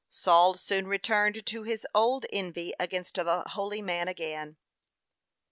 Saul soon returned to his old envy against the holy man again. 4.